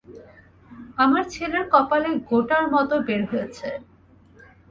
আমার ছেলের কপালে গোটার মত বের হয়েছে।